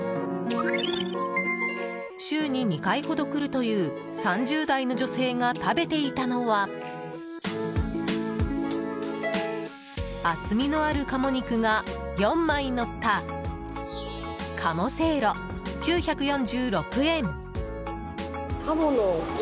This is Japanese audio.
週に２回ほど来るという３０代の女性が食べていたのは厚みのある鴨肉が４枚のった鴨せいろ、９４６円。